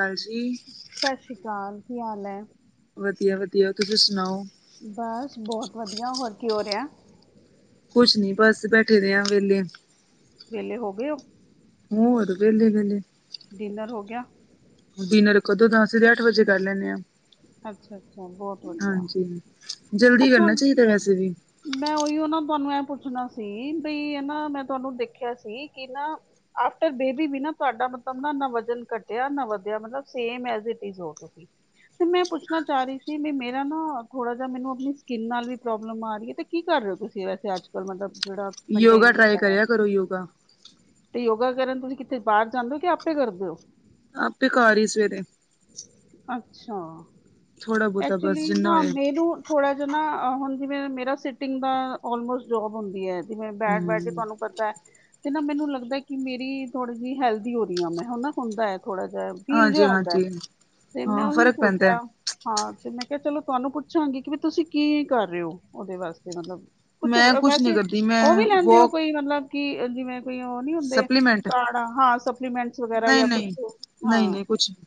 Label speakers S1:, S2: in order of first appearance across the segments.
S1: ਹਾਂਜੀ
S2: ਸਤਿ ਸ੍ਰੀ ਅਕਾਲ ਕੀ ਹਾਲ ਹੈ
S1: ਵਧੀਆ ਵਧੀਆ ਤੁਸੀਂ ਸੁਣਾਓ
S2: ਬਸ ਬਹੁਤ ਵਧੀਆ ਹੋਰ ਕੀ ਹੋ ਰਿਹਾ
S1: ਕੁਛ ਨੀ ਬਸ ਬੈਠੇ ਰ ਹਾਂ ਵੇਹਲੇ
S2: ਵਿਹਲੇ ਹੋ ਗਏ ਉਹ
S1: ਹੋਰ ਵਿਹਲੇ ਵਿਹਲੇ
S2: ਡਿਨਰ ਹੋ ਗਿਆ।
S1: ਡਿਨਰ ਕਦੋਂ ਤਾਂ ਅਸੀਂ ਤੇ ਅੱਠ ਵਜੇ ਕਰ ਲੈਂਦੇ ਹਾਂ।
S2: ਅੱਛਾ ਅੱਛਾ ਬਹੁਤ ਵਧੀਆ
S1: ਹਾਂਜੀ! ਜਲਦੀ
S2: ਅੱਛਾ
S1: ਕਰਨਾ ਚਾਹੀਦਾ ਵੈਸੇ ਵੀ
S2: ਮੈਂ ਉਹੀਓ ਨਾ ਤੁਹਾਨੂੰ ਐ ਪੁੱਛਣਾ ਸੀ। ਬਈ ਇਹ ਨਾ ਮੈਂ ਤੁਹਾਨੂੰ ਦੇਖਿਆ ਸੀ। ਕਿ ਨਾ ਆਫਟਰ ਬੇਬੀ ਵੀ ਨਾ ਤੁਹਾਡਾ ਮਤਲਬ ਨਾ- ਨਾ ਵਜ਼ਨ ਘੱਟਿਆ ਨਾ ਵਧਿਆ। ਮਤਲਬ ਸੇ ਤੁਸੀਂ ਤੇ ਮੈਂ ਪੁੱਛਣਾ ਚਾਹ ਰਹੀ ਸੀ ਵੀ ਮੇਰਾ ਨਾ ਥੋੜਾ ਜ ਮੈਨੂੰ ਆਪਣੀ ਸਕਿਨ ਨਾਲ ਵੀ ਪ੍ਰੋਬਲਮ ਆ ਰਹੀ ਹੈ ਤੇ ਕੀ ਕਰ ਰਹੇ ਹੋ ਤੁਸੀਂ ਵੈਸੇ ਅੱਜ ਕੱਲ ਮਤਲਬ ਜਿਹੜਾ ਮੇਨਟੇਨ
S1: ਯੋਗਾ ਟਰਾਈ
S2: ਕੀਤਾ ਹੈ
S1: ਕਰਿਆ ਕਰੋ ਯੋਗਾ
S2: ਤੇ ਯੋਗਾ ਕਰਨ ਤੁਸੀਂ ਕਿੱਥੇ ਬਾਹਰ ਜਾਂਦੇ ਹੋ ਕਿ ਆਪੇ ਕਰਦੇ ਹੋ
S1: ਆਪੇ ਘਰ ਹੀ ਸਵੇਰੇ
S2: ਅੱਛਾ
S1: ਥੋੜਾ ਬਹੁਤਾ ਬਸ
S2: ਐਕਚੁਲੀ
S1: ਜਿੰਨਾ
S2: ਨਾ
S1: ਹੋਏ
S2: ਮੈਨੂੰ ਥੋੜ੍ਹਾ ਜਿਹਾ ਨਾ ਹੁਣ ਜਿਵੇਂ ਮੇਰਾ ਸਿਟਿੰਗ ਦਾ ਆਲਮੋਸਟ ਜੋਬ ਹੁੰਦੀ ਹੈ ਜਿਵੇਂ ਬੈਠ ਬੈਠ ਕੇ
S1: ਹਮ
S2: ਤੁਹਾਨੂੰ ਪਤਾ ਹੈ ਤੇ ਨਾ ਮੈਨੂੰ ਲੱਗਦਾ ਕਿ ਮੇਰੀ ਥੋੜ੍ਹੀ ਜਿਹੀ ਹੈਲਦੀ ਹੋ ਰਹੀ ਆ ਮੈਂ ਹਨਾ ਹੁੰਦਾ ਹੈ ਥੋੜਾ ਜਿਹਾ ਫੀਲ
S1: ਹਾਂਜੀ
S2: ਜਿਹਾ ਹਉਂਦਾ ਹੈ
S1: ਹਾਂਜੀ
S2: ਤੇ ਮੈਂ
S1: ਹਾਂ
S2: ਉਹੀ
S1: ਫ਼ਰਕ ਪੈਂਦਾ ਹੈ।
S2: ਸੋਚਿਆ ਹਾਂ ਤੇ ਮੈਂ ਕਿਹਾ ਚਲੋ ਤੁਹਾਨੂੰ ਪੁੱਛਾਂਗੀ ਕਿ ਵੀ ਤੁਸੀਂ ਕੀ ਕਰ ਰਹੇ ਹੋ ਉਹਦੇ ਵਾਸਤੇ ਮਤਲਬ ਕੁਛ
S1: ਮੈਂ ਨਹੀਂ
S2: ਵੈਸੇ
S1: ਕਰਦੀ ਮੈਂ
S2: ਉਹ ਵੀ ਲੈਂਦੇ ਹੋ
S1: ਵੋਕ
S2: ਕੋਈ ਮਤਲਬ ਕਿ ਜਿਵੇਂ ਕੋ ਉਹ ਨੀ ਹੁੰਦੇ
S1: ਸਪਲੀਮੈਂਟ
S2: ਕਾਰਡ ਹਾਂ ਸਪਲੀਮੈਂਟਸ ਵਗੈਰਾ
S1: ਨਹੀਂ
S2: ਜਾਂ ਕੁਛ
S1: ਨਹੀਂ
S2: ਹਾਂ
S1: ਨਹੀਂ ਨਹੀਂ ਕੁਛ ਨੀ।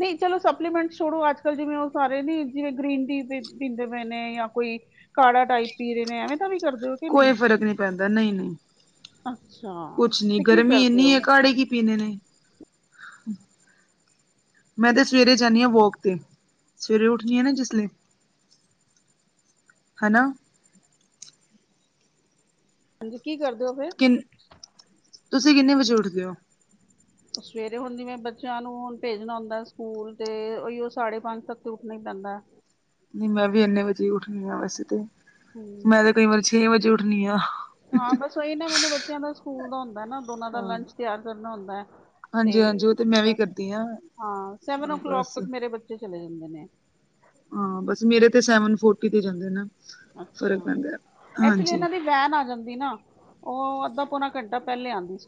S2: ਨਹੀਂ ਚਲੋ ਸਪਲੀਮੈਂਟ ਛੋੜੋ ਅੱਜ ਕੱਲ੍ਹ ਜਿਵੇਂ ਉਹ ਸਾਰੇ ਨੀ ਜਿਵੇਂ ਗ੍ਰੀਨ ਟੀ ਪੀਂਦੇ ਪਏ ਨੇ ਜਾਂ ਕੋਈ ਕਾੜਾ ਟਾਈਪ ਪੀ ਰਹੇ ਨੇ ਐਵੇਂ ਤਾਂ ਵੀ ਕਰਦੇ ਹੋ ਕਿ
S1: ਕੋਈ ਫਰਕ ਨਹੀਂ ਪੈਂਦਾ ਨਹੀਂ ਨਹੀਂ
S2: ਅੱਛਾ
S1: ਕੁਛ ਨੀ
S2: ਤੇ ਕੀ
S1: ਗਰਮੀ
S2: ਕਰਦੇ
S1: ਇੰਨੀ ਹੈ
S2: ਹੋ
S1: ਕਾੜੇ ਕੀ ਪੀਣੇ ਨੇ ਹ [unintelligible] ਮੈਂ ਤਾਂ ਸਵੇਰੇ ਜਾਂਦੀ ਹਾਂ ਵੋਕ ਤੇ, ਸਵੇਰੇ ਉੱਠਦੀ ਹਾਂ ਨਾ ਜਿਸ ਲਈ। ਹਨਾ।
S2: ਹਾਂਜੀ, ਕੀ ਕਰਦੇ ਹੋ ਫੇਰ?
S1: ਕਿੰਨ ਤੁਸੀਂ ਕਿੰਨੇ ਵਜੇ ਉੱਠਦੇ ਹੋ।
S2: ਸਵੇਰੇ ਹੁਣ ਜਿਵੇਂ ਬੱਚਿਆਂ ਨੂੰ ਹੁਣ ਭੇਜਣਾ ਹੁੰਦਾ ਸਕੂਲ, ਤੇ ਉਹੀਓ ਸਾਢੇ ਪੰਜ ਤੱਕ ਤੇ ਉੱਠਣਾ ਹੀ ਪੈਂਦਾ।
S1: ਨਹੀਂ ਮੈਂ ਵੀ ਇੰਨੇ ਵਜੇ ਉੱਠਣੀ ਆ ਵੈਸੇ ਤੇ,
S2: ਹਮ,
S1: ਮੈਂ ਤੇ ਕਈ ਵਾਰੀ ਛੇ ਵਜੇ ਉੱਠਣੀ ਆ।
S2: ਹਾਂ ਬਸ, ਉਹੀ ਨਾ ਮੈਨੂੰ ਬੱਚਿਆਂ ਦਾ ਸਕੂਲ ਦਾ ਹੁੰਦਾ ਨਾ, ਦੋਨਾਂ ਦਾ
S1: ਹਾਂ
S2: ਲੰਚ ਤਿਆਰ ਕਰਨਾ ਹੁੰਦਾ। ਤੇ
S1: ਹਾਂਜੀ ਹਾਂਜੀ ਉਹ ਤੇ
S2: [inaudible]
S1: ਮੈਂ ਵੀ ਕਰਦੀ
S2: ਹਾਂ, ਸੈਵਨ ਓ
S1: ਹਾਂ
S2: ਕਲੋਕ
S1: ਬਸ
S2: ਤੱਕ ਮੇਰੇ ਬੱਚੇ ਚਲੇ ਜਾਂਦੇ ਨੇ।
S1: ਹਾਂ ਬਸ, ਮੇਰੇ ਤੇ ਸੈਵਨ ਫੋਰਟੀ ਤੇ ਜਾਂਦੇ ਨੇ।
S2: ਅੱਛਾ, ਐਕਚੁਲੀ ਇਹਨਾਂ ਦੀ ਵੈਨ ਆ ਜਾਂਦੀ ਨਾ, ਉਹ ਅੱਧਾ ਪੌਣਾ ਘੰਟਾ ਪਹਿਲੇ ਆਂਦੀ ਸੀ।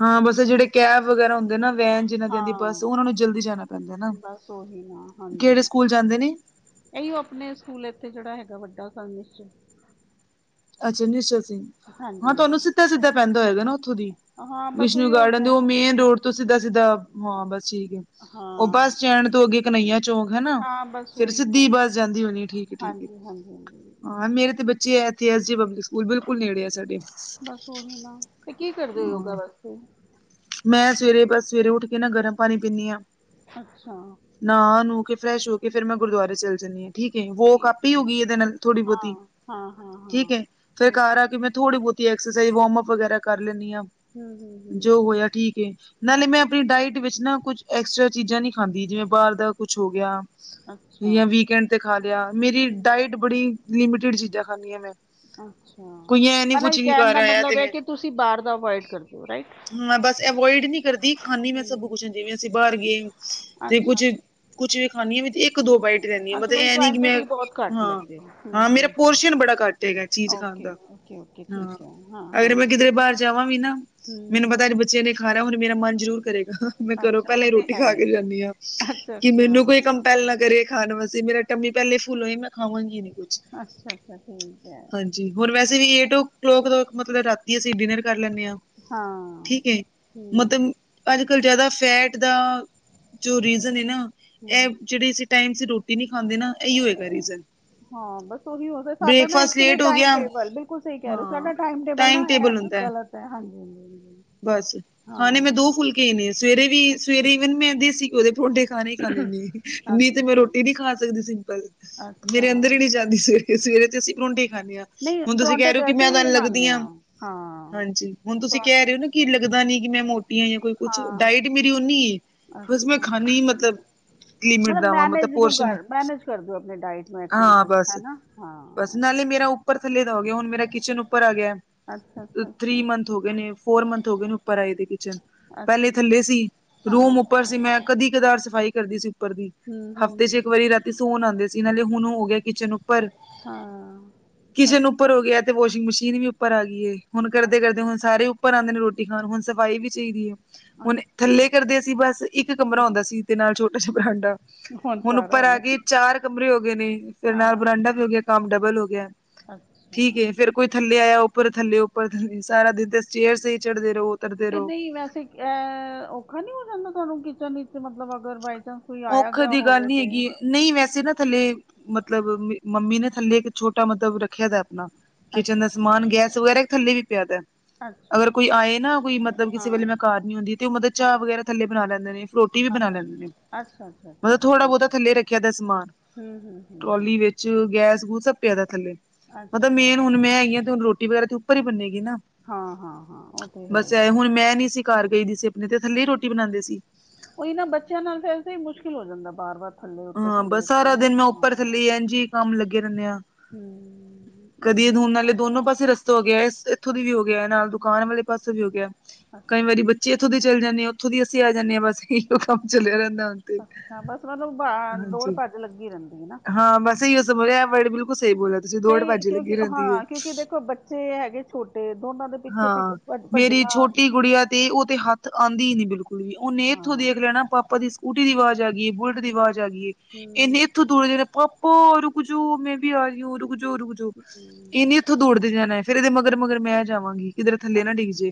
S1: ਹਾਂ ਬਸ ਜਿਹੜੇ ਕੈਬ ਵਗੈਰਾ ਹੁੰਦੇ ਨਾ, ਵੈਨ ਜਿਹਨਾਂ ਦੀ ਆਂਦੀ ਏ ਬੱਸ,
S2: ਹਾਂ
S1: ਉਹਨਾਂ ਨੂੰ ਜਲਦੀ ਜਾਣਾ ਪੈਂਦਾ ਨਾ।
S2: ਬਸ ਉਹੀ ਨਾ, ਹਾਂਜੀ
S1: ਕਿਹੜੇ ਸਕੂਲ ਜਾਂਦੇ ਨੇ
S2: ਇਹੀ ਉਹ ਆਪਣੇ ਸਕੂਲ ਇਥੇ ਜਿਹੜਾ ਹੈਗਾ ਵੱਡਾ ਹੈਗਾ ਕੌਨਵਿਸ਼ਚ।
S1: ਅੱਛਾ ਨਿਸ਼ਚੇ ਸੀ,
S2: ਹਾਂਜੀ
S1: ਹਾਂ ਤੁਹਾਨੂੰ
S2: ਹਾਂਜੀ
S1: ਸਿੱਧਾ- ਸਿੱਧਾ ਪੈਂਦਾ ਹੋਏਗਾ ਨਾ। ਉਥੋਂ ਦੀ
S2: ਹਾਂ ਬਸ ਉਹੀ
S1: ਵਿਸ਼ਨੂੰ ਗਾਰਡਨ ਦੀ, ਉਹ
S2: ਵੈਨ
S1: ਮੇਨ ਰੋਡ ਤੋਂ ਸਿੱਧਾ- ਸਿੱਧਾ, ਹਾਂ ਬਸ ਠੀਕ ਐ। ਉਹ
S2: ਹਾਂ
S1: ਬੱਸ ਸਟੈਂਡ ਤੋਂ ਅੱਗੇ ਕਨਈਆ ਚੌਂਕ ਹੈ ਨਾ,
S2: ਹਾਂ ਬਸ
S1: ਫੇਰ
S2: ਉਹੀ ਹਾਂ
S1: ਸਿੱਧੀ ਬਸ ਜਾਂਦੀ ਹੋਣੀ ਠੀਕ- ਠੀਕ ਏ,
S2: ਹਾਂਜੀ ਹਾਂਜੀ ਹਾਂਜੀ
S1: ਹਾਂ ਮੇਰੇ ਤੇ ਬੱਚੇ ਜੀ ਐਥੀ ਐਸ ਸੀ ਪਬਲਿਕ ਸਕੂਲ, ਬਿਲਕੁਲ ਨੇੜੇ ਐ।
S2: ਬਸ ਉਹੀ ਨਾ, ਤੇ ਕੀ ਕਰਦੇ ਹੋ ਯੋਗਾ ਵਾਸਤੇ।
S1: ਮੈ ਸਵੇਰੇ ਬਸ ਸਵੇਰੇ ਉੱਠ ਕੇ ਨਾ, ਗਰਮ ਪਾਣੀ ਪੀਂਨੀ ਆਂ।
S2: ਅੱਛਾ।
S1: ਨਾ ਨੂਹ ਕੇ ਫਰੈਸ਼ ਹੋ ਕੇ, ਫੇਰ ਮੈਂ ਗੁਰਦੁਆਰੇ ਚੱਲ ਜਾਂਨੀ ਆਂ। ਠੀਕ ਏ ਵੋਕ
S2: ਠੀਕ ਹੈ
S1: ਆਪੀ ਹੋ ਗਈ ਇਹਦੇ ਨਾਲ, ਥੋੜੀ ਬਹੁਤੀ
S2: ਹਾਂ ਹਾਂ ਹਾਂ
S1: ਠੀਕ
S2: ਹਾਂ
S1: ਏ, ਫੇਰ
S2: ਠੀਕ
S1: ਘਰ
S2: ਹੈ
S1: ਆ ਕੇ ਮੈਂ ਥੋੜ੍ਹੀ ਬਹੁਤੀ ਐਕਸਰਸਾਈਜ਼, ਵਾਰਮਅਪ ਵਗੈਰਾ ਕਰ ਲੈਂਨੀ ਆਂ।
S2: ਹੂੰ- ਹੂੰ- ਹੂੰ
S1: ਠੀਕ ਐ, ਨਾਲੇ ਮੈ ਆਪਣੀ ਡਾਇਟ ਵਿਚ ਨਾ ਕੁਛ ਐਕਸਟਰਾ ਚੀਜ਼ਾਂ ਨੀ ਖਾਂਦੀ, ਜਿਵੇ ਬਾਹਰ ਦਾ ਕੁਛ ਹੋ ਗਿਆ।
S2: ਅੱਛ- ਅੱਛਾ
S1: ਜਾਂ ਵੀਕਐਂਡ ਤੇ ਖਾ ਲਿਆ, ਮੇਰੀ
S2: ਹੂੰ
S1: ਡਾਇਟ ਬੜੀ ਲਿਮਟਿਡ ਚੀਜਾਂ ਖਾਂਨੀ ਆਂ ਮੈਂ।
S2: ਅੱਛਾ,
S1: ਕੋਈ ਐ ਨੀ ਪੁੱਛ
S2: ਮਤਲਬ
S1: ਕੀ
S2: ਕਹਿਣ
S1: ਕਰ
S2: ਦਾ
S1: ਆਇਆ ਤੇ
S2: ਮਤਲਬ ਐ,
S1: ਮੈਂ
S2: ਕਿ ਤੁਸੀਂ ਬਾਹਰ ਦਾ ਔਵਾਇਡ ਕਰਦੇ ਓ ਰਾਈਟ।
S1: ਔਵਾਇਡ ਨੀ ਕਰਦੀ, ਖਾਂਦੀ ਮੈਂ ਸਭ
S2: ਹਮ,
S1: ਕੁਛ ਜਿਵੇਂ ਅਸੀਂ ਬਾਹਰ ਗਏ, ਤੇ
S2: ਅੱਛਾ
S1: ਕੁੱਛ ਕੁਛ ਵੀ ਖਾਣੀ ਆ ਵੀ, ਇੱਕ ਦੋ ਬਾਈਟ। ਹੁੰਦੀ ਰਹਿੰਦੀ ਐ
S2: ਅੱਛਾ
S1: ਮਤਲਬ,
S2: ਬਈ
S1: ਇਹ ਨੀ ਕਿ, ਮੈਂ
S2: ਕੁਆਂਟੀਟੀ ਬਹੁਤ ਘੱਟ ਲੈਂਦੇ ਹੋ ਹੂੰ
S1: ਹਾਂ-ਹਾਂ ਮੇਰਾ
S2: ਹੂੰ ਹੂੰ
S1: ਪੋਰਸ਼ਨ ਬੜਾ ਘੱਟ ਹੈਗਾ। ਚੀਜ਼ ਖਾਣ
S2: ਓਕੇ
S1: ਦਾ,
S2: ਓਕੇ ਓਕੇ
S1: ਹਾਂ,
S2: ਠੀਕ ਹੈ
S1: ਅਗਰ ਮੈਂ ਕਿਧਰੇ ਬਾਹਰ ਜਾਵਾਂ ਵੀ ਨਾ
S2: ਹੂੰ,
S1: ਚਨੇ ਖਾਣਾ, ਮੇਰਾ ਮਨ ਜ਼ਰੂਰ ਕਰੇਗਾ। ਮੈਂ ਘਰੋਂ
S2: ਅੱਛਾ
S1: ਪਹਿਲਾਂ
S2: ਉਹ
S1: ਹੀ
S2: ਤੇ
S1: ਰੋਟੀ
S2: ਹੈ
S1: ਖਾ ਕੇ ਜਾਨੀ ਆਂ,
S2: ਅੱਛਾ
S1: ਕਿ
S2: ਅੱਛਾ
S1: ਮੈਨੂੰ ਕੋਈ ਕੰਮ ਪਹਿਲਾਂ ਕਰੇ ਖਾਣ ਵਾਸਤੇ, ਮੇਰਾ ਟੰਮੀ ਪਹਿਲੇ ਫੁੱਲ ਹੋਈ, ਮੈਂ ਖਾਵਾਂਗੀ ਨੀ ਕੁਛ।
S2: ਅੱਛਾ- ਅੱਛਾ, ਠੀਕ ਐ।
S1: ਹੋਰ ਵੈਸੇ ਵੀ ਏਟ ਓ ਕਲੌਕ ਰਾਤੀ, ਅਸੀਂ ਡਿਨਰ ਕਰ ਲੈਂਨੇ ਆਂ।
S2: ਹਾਂ
S1: ਠੀਕ ਏ,
S2: ਹਮ,
S1: ਮਤਲਬ ਅੱਜ-ਕੱਲ੍ਹ ਜ਼ਿਆਦਾ ਫੈਟ ਦਾ ਜੋ ਰੀਜ਼ਨ ਏ ਨਾ ਇਹ
S2: ਹਮ,
S1: ਜਿਹੜੀ ਅਸੀਂ ਟੈਮ ਸਿਰ ਰੋਟੀ ਨਹੀ ਖਾਂਦੇ ਨਾ, ਇਹੀ ਹੋਏਗਾ ਰੀਜ਼ਨ।
S2: ਹਾਂ ਬਸ ਉਹੀ ਹੋ, ਸਾਡਾ ਨਾ
S1: ਬ੍ਰੇਕਫਾਸਟ
S2: ਐਕਚੁਲੀ
S1: ਲੇਟ ਹੋ
S2: ਟੈਮ
S1: ਗਿਆ
S2: ਟੇਬਲ, ਬਿਲਕੁਲ ਸਹੀ ਕਹਿ ਰਹੇ ਹੋ, ਸਾਡਾ ਟਾਈਮ ਟੇਬਲ ਨਾ ਐਹ
S1: ਹੁੰਦਾ
S2: ਤੈ ਹਾਂਜੀ -ਹਾਂਜੀ
S1: ਬਸ ਖਾਣੇ ਮੈਂ ਦੋ
S2: ਹਾਂ
S1: ਫੁਲਕੇ ਹੀ ਨੇ। ਸਵੇਰੇ ਵੀ
S2: ਅੱਛਾ
S1: ਸਵੇਰੇ ਈਵਨ ਮੈਂ ਦੇਸੀ ਘਿਓ ਦੇ ਪਰੋਂਠੇ ਖਾਣੇ ਹੀ ਖਾਂਦੇ ਹੁੰਦੀ ਸੀ, ਨਹੀਂ ਤੇ ਮੈ
S2: ਅੱਛਾ
S1: ਰੋਟੀ ਇਹ ਨਹੀ ਖਾ ਸਕਦੀ ਸਿੰਪਲ,
S2: ਅੱਛਾ
S1: ਮੇਰੇ
S2: ਅੱਛਾ
S1: ਅੰਦਰ ਹੀ ਨਹੀ ਜਾਂਦੀ ਸਵੇਰੇ- ਸਵੇਰੇ। ਅਸੀਂ ਪਰੋਂਠੀ ਖਾਂਨੇ ਆਂ,
S2: ਨਹੀਂ
S1: ਹੁਣ ਤੁਸੀ ਕਹਿ
S2: ਪਰੌਂਠੇ
S1: ਰਹੇ ਹੋ
S2: ਤੇ
S1: ਕਿ ਮੈਂ
S2: ਅਸੀਂ ਵੀ
S1: ਤੁਹਾਨੂ ਲੱਗਦੀ
S2: ਖਾਂਦੇ
S1: ਹਾਂ,
S2: ਹਾਂ
S1: ਹਾਂਜੀ ਹੁਣ ਤੁਸੀਂ ਕਹਿ
S2: ਪਰੌਂਠੇ
S1: ਰਹੇ ਹੋ ਨਾ ਕੀ ਲੱਗਦਾ ਨਹੀ ਕਿ ਮੈ ਮੋਟੀਆਂ ਜ ਕੋਈ ਕੁਛ
S2: ਹਾਂ
S1: ਡਾਇਟ ਮੇਰੀ ਉਹਨੀ ਏ। ਬਸ ਮੈ
S2: ਅੱਛਾ
S1: ਖਾਣੀ ਹੀ ਮਤਲਬ ਲਿਮਿਟ
S2: ਮਤਲਬ
S1: ਦਾ ਵਾਂ
S2: ਮੈਨੇਜ ਨੂੰ
S1: ਪੋਰਸ਼ਨ
S2: ਕਰ ਮੈਨੇਜ ਕਰ ਦਿਓ ਆਪਣੇ ਡਾਇਟ ਨੂੰ
S1: ਹਾਂ
S2: ਐਕਚੂਲੀ
S1: ਬਸ
S2: ਹੈਨਾ ਹਾਂ।
S1: ਨਾਲੇ ਮੇਰਾ ਉੱਪਰ ਥੱਲੇ ਦਾ ਹੋ ਗਿਆ ਹੁਣ ਮੇਰਾ ਕਿਚਨ ਉਪਰ ਆ ਗਿਆ
S2: ਅੱਛਾ ਅੱਛਾ
S1: ਥਰੀ
S2: ਅੱਛਾ
S1: ਮੰਥ। ਹੋ ਗਏ ਨੇ ਫੋਰ ਮੰਥ ਹੋ ਗਏ ਨੇ ਉਪਰ ਆਏ ਦੇ ਕਿਚਨ ਪਹਿਲੇ
S2: ਅੱਛਾ
S1: ਥੱਲੇ ਸੀ ਰੂਮ
S2: ਹਾਂ
S1: ਉਪਰ ਸੀ ਮੈ। ਕਦੀ ਕਧਾਰ ਸਫ਼ਾਈ ਕਰਦੀ ਸੀ ਉਪਰ ਦੀ
S2: ਹੂੰ ਹੂੰ
S1: ਹਫ਼ਤੇ 'ਚ
S2: ਹੂੰ,
S1: ਇਕ ਵਾਰੀ ਰਾਤੀ ਤੇ ਸੋਨ ਆਉਦੇ ਸੀ ਇਹ ਨਾਲੇ ਹੁਣ ਹੋ ਗਿਆ ਕਿਚਨ ਉਪਰ
S2: ਹਾਂ।
S1: [inaudible] ਕਿਚਨ ਉਪਰ
S2: ਅੱਛਾ
S1: ਹੋ ਗਿਆ ਤੇ ਵਾਸ਼ਿੰਗ ਮਸ਼ੀਨ ਵੀ ਉਪਰ ਆ ਗਈ ਏ ਹੁਣ ਕਰਦੇ- ਕਰਦੇ ਹੁਣ ਸਾਰੇ ਉਪਰ ਆਉਦੇ ਨੇ ਰੋਟੀ। ਖਾਣ ਨੂੰ ਹੁਣ ਸਫ਼ਾਈ ਵੀ ਚਾਹੀਦੀ ਹੈ ਹੁਣ
S2: ਅੱਛਾ ਹੂੰ,
S1: ਥੱਲੇ ਕਰਦੇਸੀ ਬਸ ਇਕ ਕਮਰਾ ਹੁੰਦਾ ਸੀ। ਤੇ ਨਾਲ ਛੋਟਾ ਜਿਹਾ ਬਰਾਂਡਾ ਹੁਣ
S2: ਸਾਰਾ
S1: ਉਪਰ
S2: ਹੋ
S1: ਆ
S2: ਗਿਆ
S1: ਕੇ ਚਾਰ ਕਮਰੇ ਹੋ ਗਏ ਨੇ ਫੇਰ ਨਾਲ
S2: ਹਾਂ
S1: ਬਰਾਂਡਾ। ਹੋ ਗਿਆ ਕੰਮ ਡਬਲ ਹੋ ਗਿਆ
S2: ਅੱਛਾ
S1: ਠੀਕ ਏ ਫੇਰ ਕੋਈ ਥੱਲੇ ਆਇਆ ਉੱਪਰ ਥੱਲੇ ਉੱਪਰ ਸਾਰਾ ਦਿਨ ਤੇ ਸਟੇਇਰਸ ਤੇਹੀ ਚੜ੍ਹਦੇ ਰਹੋ। ਉਤਰਦੇ
S2: ਤੇ
S1: ਰਹੋ।
S2: ਨਹੀਂ ਵੈਸੇ ਅਹ ਔਖਾ ਨੀ ਹੋ ਜਾਂਦਾ ਤੁਹਾਨੂੰ ਕਿਚਨ ਵਿੱਚ ਮਤਲਬ ਅਗਰ ਵ ਜੱਦ ਕੋਈ ਆਇਆ
S1: ਔਖੇ
S2: ਗਿਆ
S1: ਦੀ ਗੱਲ
S2: ਹੋਵੇ
S1: ਨੀ
S2: ਤੇ
S1: ਹੈਗੀ ਨਹੀਂ ਵੈਸੇ ਨਾ ਥੱਲੇ ਮਤਲਬ ਮੰਮੀ ਨੇ ਥੱਲੇ ਇੱਕ ਛੋਟਾ ਮਤਲਬ ਰੱਖਿਆ ਦਾ ਣਾ ਕਿਚਨ
S2: ਅੱਛਾ
S1: ਦਾ ਸਮਾਨ ਗੈਸ ਵਗੈਰਾ ਥੱਲੇ ਵੀ ਪਿਆ ਤਾ।
S2: ਹੈਲੋ।
S1: ਅਗਰ ਕੋਈ ਆਏ ਨਾ ਕੋਈ ਮਤਲਬ ਕਿਸੇ ਵੇਲੇ ਮੈਂ ਘਰ ਨੀ ਹੁੰਦੀ ਤੇ ਉਹ ਮਤਲਬ ਚਾਹ
S2: ਹਾਂ
S1: ਵਗੈਰਾ ਥੱਲੇ ਬਣਾ ਲੈਂਦੇ ਨੇ ਰੋਟੀ ਵੀ ਬਣਾ ਲੈਂਦੇ ਨੇ।
S2: ਅੱਛਾ ਅੱਛਾ। ਅੱਛਾ
S1: ਮਤਲਬ
S2: ਅੱਛਾ
S1: ਥੋੜਾ ਬਹੁਤਾ
S2: ਠੀਕ ਹੈ
S1: ਥੱਲੇ ਰੱਖਿਆ ਦਾ ਸਮਾਨ
S2: ਹੂੰ ਹੂੰ ਹੂੰ ਹੂੰ
S1: ਟਰੋਲੀ ਵਿੱਚ ਗੈਸ ਗੂਸ ਸਭ ਪਿਆ ਦਾ ਥੱਲੇ। ਮਤਲਬ
S2: ਅੱਛਾ
S1: ਮੇਨ ਹੁਣ ਮੈਂ ਹੈਗੀ ਹ ਤੇ ਹੁਣ ਰੋਟੀ ਵਗੈਰਾ ਤੇ ਉੱਪਰ ਹੀ ਬਨੇਗੀ ਨਾ।
S2: ਹਾਂ ਹਾਂ ਹਾਂ ਉਹ ਤੇ ਹੈ
S1: ਬਸ
S2: ਹੀ
S1: ਆ
S2: ਹੈ
S1: ਹੁਣ ਮੈਂ ਨੀ ਸੀ ਘਰ ਗਈ ਦੀ ਸੀ ਆਪਣੇ ਤੇ ਥੱਲੇ ਰੋਟੀ ਬਣਾਉਂਦੇ ਸੀ।
S2: ਉਹੀ ਨਾ ਬੱਚਿਆਂ ਨਾਲ ਏਦਾ ਹੀ ਮੁਸ਼ਕਿਲ ਹੋ ਜਾਂਦਾ ਬਾਰ ਬਾਰ। ਥੱਲੇ ਉੱਤੇ
S1: ਹਾਂ
S2: ਥੱਲੇ
S1: ਬਸ
S2: ਉੱਤੇ
S1: ਸਾਰਾ
S2: ਨਾ
S1: ਦਿਨ ਮੈਂ
S2: ਹਾਂ
S1: ਉੱਪਰ ਥੱਲੇ ਇੰਜ ਕੰਮ ਲੱਗੇ ਰਹਿੰਦੇ ਆ।
S2: ਹਮ।
S1: ਕਦੀ ਇਹ ਹੋੋਣ ਵਾਲੇ ਦੋਨੋ ਪਾਸੇ ਰਸ। ਹੋ ਗਿਆ ਇੱਥੋ ਦੀ ਵੀ ਹੋ ਗਿਆ ਨਾਲ ਦੁਕਾਨ ਵਾਲੇ ਪਾਸੇ ਵੀ ਹੋ ਗਿਆ ਕਈ
S2: ਅੱਛਾ
S1: ਵਾਰੀ ਬੱਚੇ ਉਥੋਂ ਦੀ ਚਲੇ ਜਾਂਦੇ ਹਾਂ ਉਥੋਂ ਦੀ ਅਸੀ ਆ ਜਾਂਦੇ ਹਾਂ ਬਸ ਏ ਕੰਮ ਚੱਲਿਆ ਰਹਿੰਦਾ ਹ ਤੇ
S2: ਤੁਹਾਨੂੰ ਦੌੜ
S1: ਹਾਂਜੀ
S2: ਭੱਜ ਲੱਗੀ ਰਹਿੰਦੀ ਹੈ ਨਾ।
S1: ਹਾਂ ਬਸ ਇਹਹੀ ਹੋ ਸਮਝ ਲੈ ਐ ਵਰਡ ਬਿਲਕੁਲ ਸਹੀ ਬੋਲਨ।
S2: ਸਹੀ ਕਿਉਂਕਿ ਹਾਂ ਕਿਉਂਕਿ ਦੇਖੋ ਬੱਚੇ ਹੈਗੇ ਛੋਟੇ ਦੋਨਾਂ ਦੇ ਪਿੱਛੇ
S1: ਹਾਂ
S2: ਪਿੱਛੇ। ਭੱਜ-
S1: ਮੇਰੀ
S2: ਭੱਜਣਾ
S1: ਛੋਟੀ ਗੁੜੀਆ ਤੇ ਉਹ ਤੇ ਹੱਥ ਆਂਦੀ ਹੀ ਨੀ ਬਿਲਕੁਲ ਵੀ ਉਹਨੇ
S2: ਹਾਂ
S1: ਇੱਥੋਂ ਦੇਖ ਲੈਣਾ ਪਾਪਾ ਦੀ ਸਕੂਟੀ ਦੀ ਆਵਾਜ਼ ਆ ਗਈਏ ਬੁਲਟ ਦੀ ਆਵਾਜ਼
S2: ਹੂੰ
S1: ਆ ਗਈਏ ਇੰਨੇ
S2: ਹੂੰ
S1: ਥੋਂ ਦੂਰ ਪਾਪਾ ਰੁਕ ਜੋ ਮੈਂ ਵੀ ਆ ਰਹੀ ਹੁੰ ਰੁਕ ਜੋ ਰੁੱਕ ਜੋ।
S2: ਹੂੰ,
S1: ਇਹ ਨੀ ਉੱਥੋਂ ਦੌੜਦੇ ਜਾਣਾ ਫੇਰ ਇਹਦੇ ਮਗਰ ਮਗਰ
S2: ਹੂੰ।
S1: ਮੈਂ ਜਾਵਾਂਗੀ ਕਿਧਰ ਥੱਲੇ ਨਾ ਡਿੱਗ ਜੇ।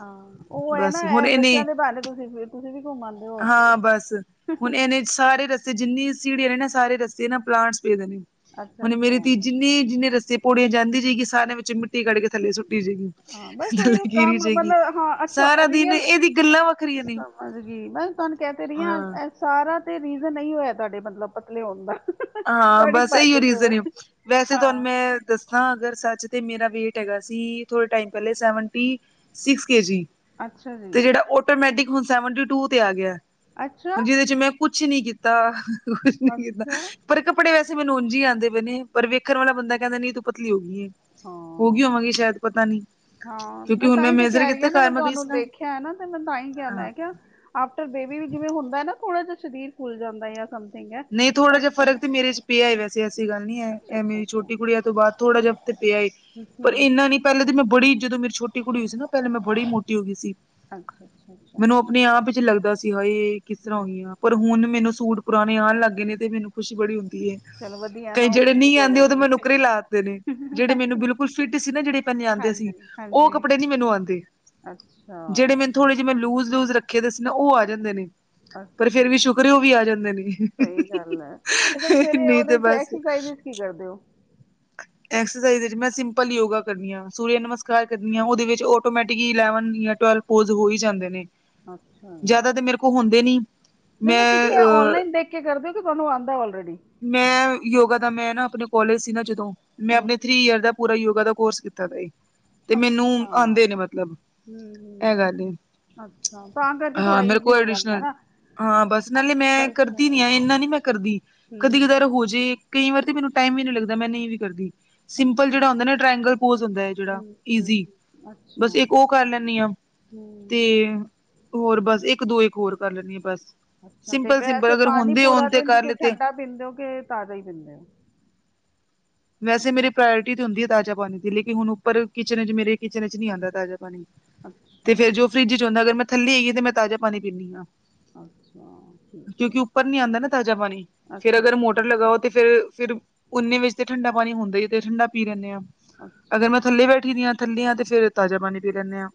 S2: ਹਾਂ ਉਹ ਹੈ ਨਾ
S1: ਬਸ
S2: ਐ
S1: ਹੁਣ ਇਹਨੇ
S2: ਬੱਚਿਆਂ ਬਹਾਨੇ ਤੁਸੀਂ ਤੁਸੀਂ ਵੀ ਘੁੰਮ ਆਉਂਦੇ ਹੋਰ ਕੀ
S1: ਹਾਂ
S2: ਹੈਂ।
S1: ਬਸ ਹੁਣ ਇਹਨੇ ਸਾਰੇ ਰਸਤੇ ਜਿੰਨੀ ਸਿੜਿਆ ਨੇ ਨਾ ਸਾਰੇ ਰਸਤੇ ਏਨਾ ਪਲਾਂਟਸ ਪਏਦੇ ਨੇ।
S2: ਅੱਛਾ
S1: ਹੁਣ ਮੇਰੇ
S2: ਅੱਛਾ
S1: ਧੀ ਜਿੰਨੇ ਜਿੰਨੇ ਰਸਤੇ ਭੋੜੀਆਂ ਜਾਂਦੀ ਜਾਏਗੀ ਸਾਰਿਆਂ ਵਿੱਚ ਮਿੱ ਟੀ ਕੱਢ ਕੇ ਥੱਲੇ ਸੁੱਟੀ ਜਾਏਗੀ
S2: ਹਾਂ ਬਸ ਉਹੀ ਉਹ
S1: ਥੱਲੇ
S2: ਕੰਮ
S1: ਗੇਰੀਜਾਏਗੀ
S2: ਮਤਲਬ ਹਾਂ ਅੱਛਾ
S1: ਸਾਰਾ ਦਿਨ
S2: ਰੀਅਲ
S1: ਇਹਦੀ ਗੱਲਾਂ ਵ
S2: ਸਮਝ ਗਈ ਮੈਂ ਤੁਹਾਨੂੰ ਕਹਿ ਤੇ ਰਹੀ ਹਾਂ ਸਾਰਾ ਤੇ ਰੀਜ਼ਨ ਅਹਿ ਹੋਇਆ ਤੁਹਾਡੇ ਮਤਲਬ ਪਤਲੇ ਹੋਣ ਦਾ।
S1: ਹਾਂ
S2: ਤੁਹਾਡੀ
S1: ਬਸ
S2: ਭੱਜ
S1: ਇਹੀ
S2: ਦੌੜ
S1: ਰੀਜ਼ਨ ਵੈਸੇ ਤੁਾਨ
S2: ਹਾਂ
S1: ਮੈਂ ਦੱਸਾਂ ਅਗਰ ਸੱਚ ਤਾਂ ਮੇਰਾ ਵੇਟ ਹੈਗਾ ਸੀ ਥੋੜ੍ਹੇ ਟਾਈਮ ਪਹਿਲੇ ਸੈਵਨਟੀ ਸਿਕਸ ਕੇ ਜੀ।
S2: ਅੱਛਾ ਜੀ
S1: ਤੇ ਜਿਹੜਾ ਆਟੋਮੈਟਿਕ ਨੂ ਸਾਵੇਂਟੀ ਟੂ ਤੇ ਆ ਗਿਆ
S2: ਅੱਛਾ
S1: ਹ ਜਿਦੇ ਚ ਮੈਂ ਕੁਛ ਨੀ ਕੀਤਾ ਕੁਛ ਨੀ ਕੀਤਾ
S2: ਅੱਛਾ
S1: ਪਰ ਕੱਪੜੇ ਮੈਨੂੰ ਉਝ ਹੀ ਆਉਂਦੇ ਪਏ ਨੇ ਪਰ ਵੇਖਣ ਵਾਲਾ ਬੰਦਾ ਕਹਿੰਦਾ ਨਹੀਂ ਤੂੰ ਪਤਲੀ ਹੋ ਗਈ ਹੈ। ਹੋ ਗਈ
S2: ਹਾਂ
S1: ਹੋਵਾਂਗੀ ਸ਼ਾਇਦ ਪਤਾ ਨੀ।
S2: ਹਾਂ
S1: ਕਿਉਂਕਿ
S2: ਮੈਂ
S1: ਹੁਣ
S2: ਤਾਂਹੀ ਤੇ
S1: ਮੇਜਰ
S2: ਕਹਿ ਰਹੀ
S1: ਕੀਤਾ
S2: ਹਾਂ ਨਾ
S1: ਘਰ
S2: ਮੈਂ
S1: ਗਈ
S2: ਤੁਹਾਨੂੰ
S1: ਸੀ ਨਾ
S2: ਦੇਖਿਆ ਹੈ ਨਾ ਤੇ ਮੈਂ ਤਾਂਹੀ ਗਿਆ
S1: ਹਾਂ
S2: ਮੈਂ ਕਿਹਾ। ਆਫਟਰ ਬੇਬੀ ਵੀ ਜਿਵੇਂ ਹੁੰਦਾ ਨਾ, ਥੋੜ੍ਹਾ ਜਿਹਾ ਸਰੀਰ ਖੁੱਲ ਜਾਂਦਾ, ਆਝ
S1: ਨਹੀਂ ਥੋੜਾ ਜਿਹਾ ਫਰਕ ਮੇਰੇ ਚ ਪਿਆ ਹੈ ਵੈਸੇ ਐਸੀ ਗੱਲ ਨਹੀਂ ਹੈ,
S2: ਅੱਛਾ
S1: ਇਹ
S2: ਅੱਛਾ
S1: ਮੇਰੀ
S2: ਅੱਛਾ
S1: ਛੋਟੀ
S2: ਹੂੰ
S1: ਕੁੜੀਆਂ ਤੋਂ ਬਾਅਦ, ਥੋੜਾ ਜਿਹਾ ਤੇ ਪਿਆ, ਪਰ
S2: ਹੂੰ
S1: ਇੰਨਾ ਨੀ ਪਹਿਲੇ ਤਾਂ ਮੈਂ ਬੜੀ ਜਦੋਂ ਮੇਰੀ ਛੋਟੀ ਕੁੜੀ ਹੋਈ ਸੀ ਨਾ, ਪਹਿਲੇ ਮੈਂ ਬੜੀ ਮੋਟੀ ਹੋ ਗਈ ਸੀ
S2: ਅੱਛਾ ਅੱਛਾ ਅੱਛਾ
S1: ਮੈਨੂੰ ਆਪਣੇ ਆਪ ਚ ਲੱਗਦਾ ਸੀਗਾ, ਇਹ ਕਿਸ ਤਰ੍ਹਾਂ
S2: ਹੂੰ
S1: ਹੋਈਆਂ ਪਰ ਹੁਣ ਮੈਨੂੰ ਸੂਟ ਏ ਆਣ ਲੱਗ ਗੇ ਨੇ, ਤੇ ਮੈਨੂੰ ਖੁਸ਼ੀ ਬੜੀ ਹੁੰਦੀ ਹੈ
S2: ਚਲੋ ਵਧੀਆ
S1: ਕਈ
S2: ਨਾ ਉਹ
S1: ਜਿਹੜੇ
S2: ਵੀ ਯੂਜ਼
S1: ਨਹੀਂ
S2: ਹੋ
S1: ਆਉਂਦੇ ਉਹਦੇ ਮੈਂ
S2: ਜਾਣਗੇ
S1: ਨੁੱਕਰੇ ਲਾਤੇ ਨੇ, ਜਿਹੜੇ ਮੈਨੂੰ
S2: ਅੱਛਾ
S1: ਬਿਲਕੁਲ ਫਿਟ ਸੀ ਨਾ ਜਿਹੜੇ ਪਹਿਲੇ ਆਉਂਦੇ ਸੀ,
S2: ਹਾਂਜੀ
S1: ਉਹ
S2: ਹਾਂਜੀ
S1: ਕੱਪੜੇ ਨੀ ਮੈਨੂੰ ਆਉਂਦੇ।
S2: ਅੱਛਾ
S1: ਜਿਵੇਂ ਲੂਜ ਲੂਜ ਰੱਖੇ ਦਾ ਸੀ ਨਾ, ਉਹ ਆ ਜਾਂਦੇ ਨੇ, ਪਰ
S2: ਅੱਛਾ
S1: ਫੇਰ ਵੀ ਸ਼ੁਕਰਓ ਵੀ ਆ ਜਾਂਦੇ ਨੇ।
S2: ਸਹੀ ਗੱਲ ਹੈ, ਤੇ ਫਿਰ ਸਵੇਰੇ
S1: ਨਹੀਂ ਤੇ
S2: ਉਹਦੇ ਚ
S1: ਬਸ
S2: ਐਕਸਰਸਾਈ ਚ ਕੀ ਕਰਦੇ ਹੋ
S1: [unintelligible] ਐਕਸਰਸਾਈਜ਼ ਵਿੱਚ ਮੈਂ ਸਿੰਪਲ ਯੋਗਾ ਕਰਨੀ ਹਾਂ, ਸੂਰਯ ਨਮਸਕਾਰ ਕਰਨੀ ਹਾਂ, ਉਹਦੇ ਵਿੱਚ ਆਟੋਮੈਟਿਕ ਇਲੈਵਨ ਜਾਂ ਟਵੈਲਵ ਰੋਜ਼ ਹੋ ਹੀ ਜਾਂਦੇ ਨੇ, ਜਿਆਦਾ ਤੇ ਮੇਰੇ ਕੋਲ ਹੁੰਦੇ ਨੀ ਮੈਂ
S2: ਨਹੀਂ-ਨਹੀਂ ਤੁਸੀਂ
S1: ਅ
S2: ਔਨਲਾਈਨ ਦੇਖ ਕੇ ਕਰਦੇ ਓ, ਕਿ ਤੁਹਾਨੂੰ ਆਉਂਦਾ ਔਲਰੇਡੀ
S1: ਮੈਂ ਯੋਗਾ ਦਾ ਮੈਂ ਨਾ ਆਪਣੇ ਕੋਲਜ ਸੀ ਨਾ ਜਦੋਂ, ਮੈਂ
S2: ਹੂੰ
S1: ਆਪਣੇ ਥ੍ਰਰੀ ਈਅਰ ਦਾ ਪੂਰਾ ਯੋਗਾ ਦਾ ਕੋਰਸ ਕੀਤਾ। ਤਦੇ ਈ, ਤੇ ਮੈਨੂੰ
S2: ਅੱਛਾ
S1: ਆਉਂਦੇ ਨੇ
S2: ਹੂੰ
S1: ਮਤਲਬ, ਇਹ ਗੱਲ ਇ
S2: ਅੱਛਾ ਅੱਛਾ, ਤਾਂ ਕਰਕੇ ਥੋੜਾ ਈਜ਼ੀ ਹੋ ਜਾਂਦਾ
S1: ਐਡੀਸ਼ਨਲ
S2: ਹਨਾ
S1: ਹਾਂ ਬਸ, ਨਾਲੇ ਮੈਂ ਕਰਦੀ ਨੀ ਆ, ਇਨਾ ਨੀ ਮੈਂ ਕਰਦੀ, ਕਦੀ
S2: ਹੂੰ
S1: ਕਦਾਰ ਹੋਜੇ ਕਈ ਵਾਰ ਤੇ ਮੈਨੂੰ ਟਾਈਮ ਵੀ ਨੀ ਲੱਗਦਾ, ਮੈਂ ਨਹੀਂ ਵੀ ਕਰਦੀ। ਸਿੰਪਲ
S2: ਅੱਛਾ
S1: ਜਿਹੜਾ ਹੁੰਦਾ ਨਾ, ਟ੍ਰੇਂਗਲ ਪੋਜ ਹੁੰਦਾ ਜਿਹੜਾ
S2: ਹੂੰ ਹੂੰ
S1: ਈਜ਼ੀ,
S2: ਹੂੰ, ਅੱਛਾ
S1: ਬਸ ਇੱਕ ਉਹ ਕਰ ਲੈਨੀ ਆਂ ਤੇ
S2: ਹਮ
S1: ਹੋਰ ਬਸ, ਇੱਕ ਦੋ ਇੱਕ ਹੋਰ ਕਰ ਲੈਨੀ ਆਂ ਬਸ
S2: ਅੱਛਾ ਤੇ
S1: ਸਿੰਪਲ-ਸਿੰਪਲ
S2: ਵੈਸੇ
S1: ਅਗਰ
S2: ਪਾਣੀ
S1: ਹੁੰਦੇ ਹੋਣ
S2: ਪੂਰਾ
S1: ਤੇ
S2: ਦਿਨ
S1: ਕਰ
S2: ਤੁਸੀਂ
S1: ਲਿੱਤੇ
S2: ਠੰਢਾ ਪੀਂਦੇ ਹੋ ਕਿ ਤਾਜ਼ਾ ਹੀ ਪੀਂਦੇ ਹੋ?
S1: ਵੈਸੇ ਮੇਰੀ ਪ੍ਰਾਇਰਟੀ ਤੇ ਹੁੰਦੀ ਆ ਤਾਜ਼ਾ ਪਾਣੀ ਦੀ, ਲੇਕਿਨ ਹੁਣ ਉੱਪਰ ਕਿਚਨ ਚ, ਮੇਰੇ ਕਿਚਨ ਚ ਨਹੀਂ ਆਉਂਦਾ ਤਾਜ਼ਾ ਪਾਣੀ। ਤੇ
S2: ਅੱਛਾ
S1: ਫੇਰ ਜੋ ਫਰਿੱਜ ਚ ਹੁਂਦਾ, ਅਗਰ ਮੈਂ ਥੱਲੇ ਹੇਗੀ ਤੇ ਮੈਂ ਤਾਜ਼ਾ ਪਾਣੀ ਪੀਂਦੀ ਹਾਂ
S2: ਅੱਛਾ। ਠੀਕ ਹੈ
S1: ਕਿਉਂਕਿ ਉੱਪਰ ਨੀ ਆਉਂਦਾ ਨਾ ਤਾਜ਼ਾ ਪਾਣੀ, ਫੇਰ
S2: ਅੱਛਾ
S1: ਅਗਰ ਮੋਟਰ ਲਗਾਓ ਤੇ ਫੇਿਰ ਫਿਰ ੳਨੇ ਵਿੱਚ ਤੇ ਠੰਡਾ ਪਾਣੀ ਹੁੰਦਾ ਤੇ ਠੰਡਾ ਪੀ ਲੈਂਦੇ ਹਾਂ, ਅਗਰ
S2: ਅੱਛਾ
S1: ਮੈਂ ਥੱਲੇ ਬੈਠੀ ਦੀ ਹਾਂ ਥੱਲੇ ਆਂ ਤੇ ਫੇਰ ਤਾਜ਼ਾ ਪਾ ਪੀ ਲੈਂਦੇ ਹਾਂ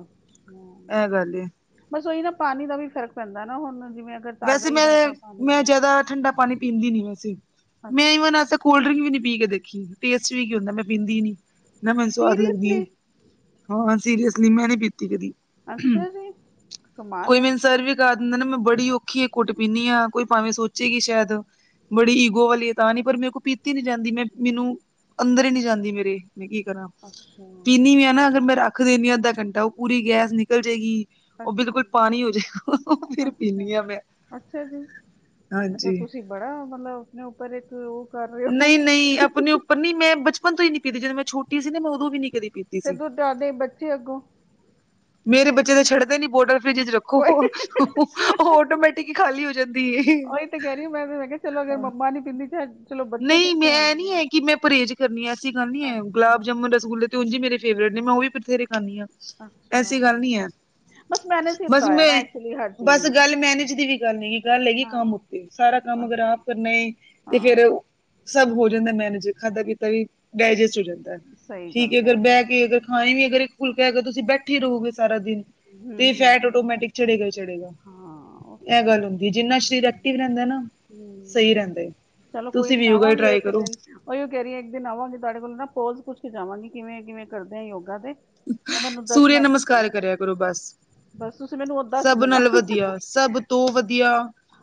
S2: ਅੱਛਾ,
S1: ਇਹ ਗੱਲ ਏ।
S2: ਬਸ ਉਹੀ ਨਾ ਪਾਣੀ ਦਾ ਵੀ ਫ਼ਰਕ ਪੈਂਦਾ ਨਾ, ਹੁਣ ਜਿਵੇਂ ਅਗਰ
S1: ਵੈਸੇ
S2: ਤਾਜ਼ਾ ਹੀ
S1: ਮੈਂ
S2: ਬੰਦਾ ਪਾਣੀ
S1: ਮੈਂ
S2: ਪੀ
S1: ਜ਼ਿਆਦਾ ਠੰਡਾ ਪਾਣੀ ਪੀਂਦੀ ਨੀ ਵੈਸੇ, ਮੈਂ
S2: ਅੱਛਾ
S1: ਈਵਨ ਅਜ ਤਕ ਕੋਲਡ ਡਰਿੰਕ ਵੀ ਨੀ ਪੀ ਕੇ ਦੇਖੀ, ਟੇਸਟ ਵੀ ਕੀ ਹੁੰਦਾ, ਮੈਂ ਪੀਂਦੀ ਨੀ ਨਾ ਮੈਨੂੰ ਸਵਾਦ ਲੱਗਦੀ ਆ।
S2: ਸੀਰੀਅਸਲੀ
S1: ਹਾਂ ਸੀਰੀਅਸਲੀ ਮੈਂ ਨੀ ਪੀਤੀ ਕਦੀ,
S2: ਅੱਛਾ ਜੀ ਕਮਾਲ
S1: ਕੋਈ
S2: ਹੈ
S1: ਮੈਨੂੰ ਸਰਵ ਵੀ ਗਾ ਦਿੰਦੇ ਨੇ ਮੈਂ ਬੜੀ ਔਖੀ ਇਕ ਘੁੱਟ ਪੀਨੀ ਹਾਂ, ਕੋਈ ਭਾਵੇਂ ਸੋਚੇ ਕੀ ਸ਼ਾਇਦ ਬੜੀ
S2: ਹਮ,
S1: ਈਗੋ ਵਾਲੀ ਤਾਂ ਨੀ ਪਰ ਮੇਰੇ ਕੋਲ ਪੀਤੀ ਨੀ ਜਾਂਦੀ, ਮੈਂ ਮੈਨੂੰ ਅੰਦਰ ਹੀ ਨਹੀਂ ਜਾਂਦੀ ਮੇਰੇ। ਮੈਂ ਕੀ ਕਰਾਂ,
S2: ਅੱਛਾ
S1: ਪੀਨੀ ਵੀ ਹਾਂ ਨਾ ਅਗਰ ਮੈਂ ਰੱਖ ਦੇਣੀ ਹਾਂ ਅੱਧਾ ਘੰਟਾ ਉਹ ਪੂਰੀ ਗੈਸ ਨਿਕਲ ਜਾਏਗੀ, ਉਹ
S2: ਅੱਛਾ
S1: ਬਿਲਕੁਲ ਪਾਣੀ ਹੋ ਜਾਏਗਾ ਫਿਰ
S2: ਅੱਛਾ
S1: ਪੀਂਦੀ ਹਾਂ ਮੈਂ
S2: ਅੱਛਾ ਜੀ, ਅੱਛਾ
S1: ਹਾਂਜੀ।
S2: ਤੁਸੀਂ ਬੜਾ ਮਤਲਬ ਆਪਣੇ ਉੱਪਰ ਇੱਕ ਉਹ ਕਰ ਰਹੇ ਹੋ
S1: ਨਹੀਂ-ਨਹੀਂ ਆਪਣੇ ਉੱਪਰ ਨੀ, ਮੈਂ ਬਚਪਨ ਤੋਂ ਹੀ ਨੀ ਪੀਦੀ, ਜਦੋਂ ਮੈਂ ਛੋਟੀ ਸੀ ਨਾ, ਮੈਂ ਉਦੋਂ ਵੀ ਨੀ ਕਦੀ ਪੀਤੀ
S2: ਤੇ
S1: ਸੀ
S2: ਤੂੰ ਤੁਆਡੇ ਬੱਚੇ ਅੱਗੋਂ
S1: ਮੇਰੇ ਬਚੇ ਤੇ ਛੱਡਦੇ ਨੀ, ਬੋਟਲ ਫਰਿਜ ਚ ਉਹ ਆਟੋਮੈਟਿਕ ਹੀ ਖਾਲੀ ਹੋ ਜਾਂਦੀ ਏ
S2: ਤਾ ਹੀਂ ਤੇ ਕਹਿ ਰਹੀ ਮੈਂ ਵੀ, ਮੈਂ ਤੇ ਚਲੋ ਅਗਰ ਮੰਮਾ ਨੀ ਪੀਂਦੀ ਚ
S1: ਨਹੀਂ ਮੈਂ ਨੀ ਹੈ ਕਿ ਮੈਂ ਪਰਹੇਜ਼ ਕਰਨੀ ਆਂ, ਐਸੀ ਗੱਲ ਨੀ ਹੈ। ਗੁਲਾਬ ਜਾਮੁਨ ਰਸਗੁੱਲਲੇ ਤੇ ਉਝਂ ਮੇਰੇ ਫੇਵਰੇਟ ਨੇ, ਮੈਂ ਉਹ ਵੀ ਬਥੇਰੇ ਖਾਂਦੀ ਹਾਂ, ਐਸੀ ਗੱਲ ਨੀ ਹੈ
S2: ਕੀਤਾ
S1: ਬਸ
S2: ਹੋਇਆ
S1: ਮੈਂ,
S2: ਨਾ ਐਕਚੁਅਲੀ ਹਰ ਚੀਜ਼
S1: ਬਸ
S2: ਨੂੰ
S1: ਗੱਲ ਮੈਨੇਜ ਦੀ ਵੀ ਕਰਨੀ ਏ ਗੱਲ ਹੈਗੀ ਕੰਮ
S2: ਹਾਂ
S1: ਉੱਤੇ, ਸਾਰਾ ਕੰਮ ਅਗਰ
S2: ਅੱਛਾ
S1: ਆਪ ਕਰਨੇ ਏ ਤੇ ਫੇਰ
S2: ਹਾਂ
S1: ਸਭ ਹੋ ਜਾਂਦਾ ਮੈਨੇਜ, ਖਾਧਾ ਪੀਤਾ ਵੀ ਡਾਇਜਸਟ ਹੋ ਜਾਂਦਾ ਏ,
S2: ਸਹੀ
S1: ਠੀਕ
S2: ਗੱਲ
S1: ਏ ਅਗਰ
S2: ਕਹਿ ਰਹੇ
S1: ਬਹਿ
S2: ਹੋ
S1: ਕੇ ਅਗਰ ਹਾਂਏ ਨੀ ਅਗਰ ਇਕ ਫੁਲਕਾ ਹੈਗਾ, ਤੁਸੀਂ ਬੈਠੇ ਰਹੋਗੇ ਸਾਰਾ ਦਿਨ
S2: ਹੂੰ
S1: ਤੇ
S2: ਹੂੰ
S1: ਫੈਟ
S2: ਹੂੰ।
S1: ਓਟੋਮੈਟਿਕ ਚੜੇਗਾ ਈ ਚੜੇਗਾ,
S2: ਹਾਂ ਉਹ ਤਾਂ
S1: ਐ
S2: ਹੈ
S1: ਗੱਲ
S2: ਹੀ।
S1: ਹੁੰਦੀ ਏ ਜਿੰਨਾ ਸ਼ਰੀਰ
S2: ਹੂੰ,
S1: ਐਕਟਿਵ ਰੈਹੰਦਾ ਨਾ
S2: ਹੂੰ।
S1: ਸਹੀ ਰੈਹਂਦਾ ਏ।
S2: ਚਲੋ ਕੋਈ ਨੀ, ਆਵਾਂਗੇ ਏੱਕ ਦਿਨ। ਓਈਓ ਕੈਹ ਰੀਆਂ ਇੱਕ ਦਿਨ ਆਵਾਂਗੇ ਤੂਆਡੇ ਕੋਲ ਨਾ ਪੋਜ ਪੂੱਛ ਕੇ ਜਾਵਾਂਗੀ ਕਿਵੇਂ, ਕਿਵੇਂ ਕਰਦੇ ਆਂ ਯੋਗਾ ਦੇ। ਤੇ ਮੈਨੂੰ
S1: ਸੂਰੇਆ
S2: ਦੱਸਣਾ
S1: ਨਮਸਕਾਰ
S2: ਤੁਸੀਂ
S1: ਕਰੇਆ ਕਰੋ ਬਾਸ।
S2: ਬਸ ਤੂਸੀ
S1: ਸਭ ਨਾਲ ਵਧੀਆ, ਸਬ ਤੋਂ ਵਦੀਆ,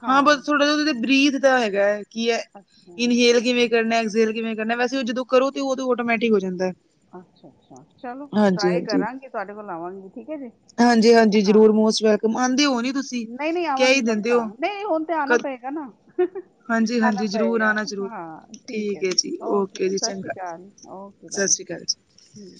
S1: ਹਾਂ ਬਾਸ ਥੋੜਾ ਜਾ ਓਦੇ ਤੇ ਬਰੀਥ ਦਾ ਹੈਗਾ, ਕਿ ਐ
S2: ਅੱਛਾ
S1: ਇਨਹੇਲ ਕਿਵੇਂ ਕਰਨਾ ਸੇਲ ਕਿਵੇਂ ਕਰਨਾ, ਵੈਸੇ ਓ ਜਦੋ ਕਰੋ ਤੇ ਓਦੋ ਓਟੋਮੈਟਿਕ ਹੋ ਜਾਂਦੈ।
S2: ਅੱਛਾ, ਅੱਛਾ ਚਲੋ ਟਰਾਈ
S1: ਹਾਂਜੀ।
S2: ਕਰਾਂਗੀ ਤੂਆਡੇ ਕੋਲ ਆਵਾਂਗੀ ਠੀਕ ਹੈ ਜੀ, ਹਾਂ।
S1: ਕਮਾਂਦੇ ਹੋ ਨੀ ਤੂਸੀ,
S2: ਨਹੀਂ ਨਹੀਂ
S1: ਕੈਹ ਈ
S2: ਆਵਾਂਗੀ
S1: ਦੇਂਦੇ
S2: ਪੱਕਾ
S1: ਓ।
S2: ਨਹੀਂ ਹੁਨ ਤੇ ਆਨਾ ਪਏਗਾ ਨਾ।
S1: ਹਾਂਜੀ
S2: ਆਨਾ
S1: ਹਾਂਜੀ ਜ਼ਰੂਰ
S2: ਪਏਗਾ,
S1: ਆਣਾ ਜ਼ਰੂਰ
S2: ਹਾਂ
S1: ਠੀਕ
S2: ਠੀਕੇ
S1: ਹੈ
S2: ਜੀ, ਓਕੇ,
S1: ਜੀ
S2: ਸਸ਼੍ਰੀ
S1: ਚੰਗਾ
S2: ਕਾਲ, ਓਕੇ
S1: ਸਤਿ
S2: ਬਾਏ।
S1: ਸ਼੍ਰੀ ਅਕਾਲ ਜੀ।
S2: ਹੂੰ।